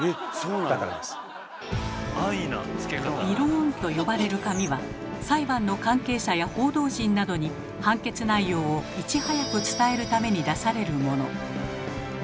「びろーん」と呼ばれる紙は裁判の関係者や報道陣などに判決内容をいち早く伝えるために出されるもの。